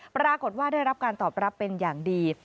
ปรากฏว่าได้รับการตอบรับเป็นอย่างดี